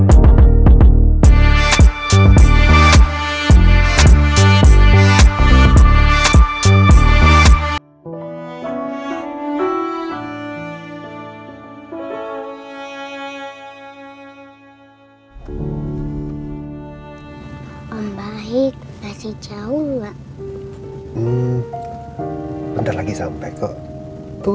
terus bukin dirimu